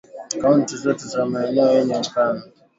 Kaunti zote za maeneo yenye ukame